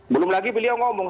belum lagi beliau ngomong